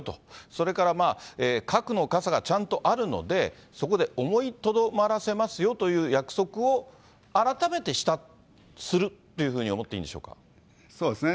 それから核の傘がちゃんとあるので、そこで思いとどまらせますよという約束を改めてするっていうふうそうですね。